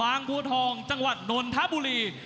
จังหวัดนวรรษกูกุธทองจังหวัดนทบุรี